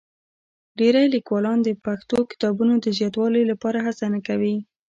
ډېری لیکوالان د پښتو کتابونو د زیاتوالي لپاره هڅه نه کوي.